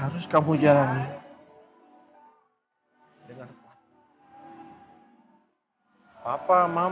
aku sering kecewa